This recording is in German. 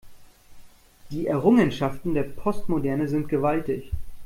Die Errungenschaften der Postmoderne sind gewaltig.